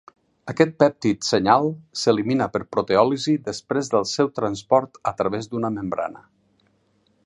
Aquest pèptid senyal s'elimina per proteòlisi després del seu transport a través d'una membrana.